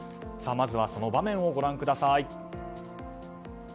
まずはその場面をご覧ください。